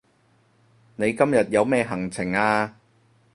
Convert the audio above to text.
你今日有咩行程啊